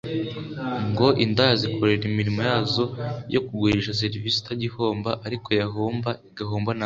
ngo indaya zikorera imirimo yazo yo kugurisha serivisi itajya ihomba ariko yahomba igahomba nabi